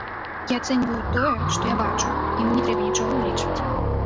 Я ацэньваю тое, што я бачу, і мне не трэба нічога ўлічваць.